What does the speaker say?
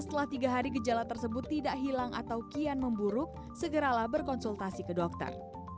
setelah tiga hari gejala tersebut tidak hilang atau kian memburuk segeralah berkonsultasi ke dokter